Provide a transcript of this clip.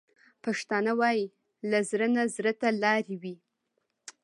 پښتانه وايي: له زړه نه زړه ته لارې وي.